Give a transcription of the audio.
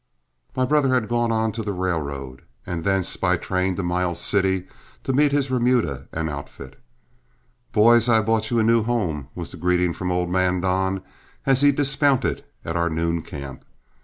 My brother had gone on to the railroad and thence by train to Miles City to meet his remuda and outfit. "Boys, I have bought you a new home," was the greeting of old man Don, as he dismounted at our noon camp.